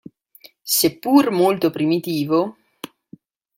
Seppur molto primitivo.